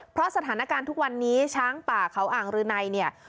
เพราะสถานการณ์ทุกวันนี้ช้างป่าเขาอ่างรืนัยเนี่ย